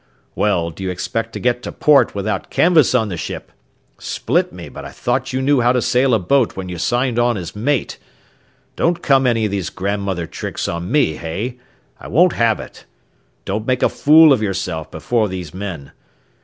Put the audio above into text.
Well, do you expect to get to port without canvas on the ship? Split me, but I thought you knew how to sail a boat when you signed on as mate. Don't come any of these grandmother tricks on me, hey? I won't have it. Don't make a fool of yourself before these men.